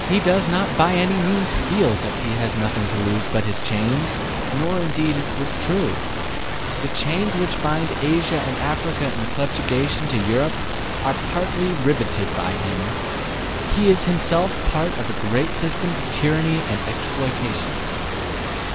He does not by any means feel that he has nothing to lose but his chains, nor indeed is this true. The chains which bind Asia and Africa in subjection to Europe are partly riveted by him. He is himself part of a great system of tyranny and exploitation.